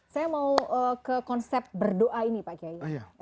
saya mau ke konsep berdoa ini pak kiai